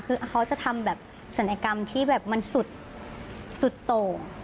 คือเขาจะทำแบบศัลยกรรมที่สุดโต